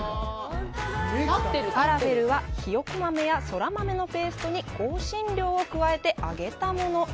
「ファラフェル」は、ひよこ豆やそら豆のペーストに香辛料を加えて揚げたもの。